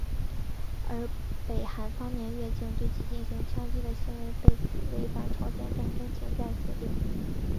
而北韩方面越境对其进行枪击的行为被指违反朝鲜战争停战协定。